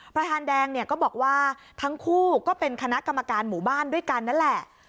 ประธานแดงเนี่ยก็บอกว่าทั้งคู่ก็เป็นคณะกรรมการหมู่บ้านด้วยกันนั่นแหละ